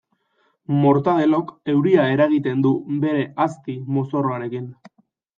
Mortadelok euria eragiten du bere azti mozorroarekin.